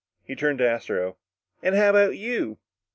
He turned to Astro. "And how about you?"